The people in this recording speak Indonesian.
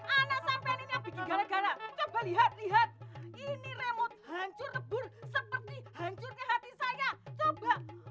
anak sampai ini gara gara kebal lihat lihat ini remote hancur lebur seperti hancur hati saya